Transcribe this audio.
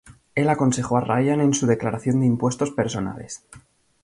Él aconsejó a Ryan en su declaración de impuestos personales.